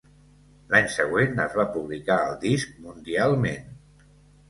L'any següent es va publicar el disc mundialment.